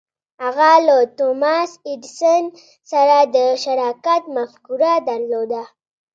هغه له توماس ایډېسن سره د شراکت مفکوره درلوده.